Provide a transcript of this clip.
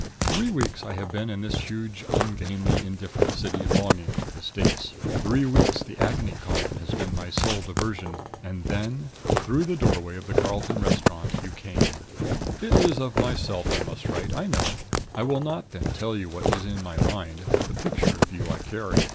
Three weeks I have been in this huge, ungainly, indifferent city, longing for the States. Three weeks the Agony Column has been my sole diversion. And then through the doorway of the Carlton restaurant you came It is of myself that I must write, I know. I will not, then, tell you what is in my mind the picture of you I carry.